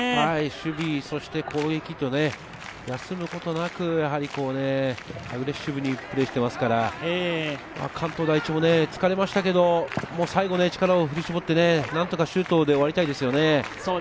守備、そして攻撃と休むことなくアグレッシブにプレーしていますから、関東第一も疲れましたけど、もう最後、力を振り絞って、何とかシュートで終わりたいですよね。